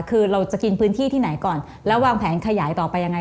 คือเราจะกินพื้นที่ที่ไหนก่อนแล้ววางแผนขยายต่อไปยังไง